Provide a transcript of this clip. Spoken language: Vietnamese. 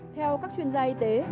theo các chuyên gia y tế